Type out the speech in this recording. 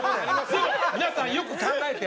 でも皆さんよく考えて。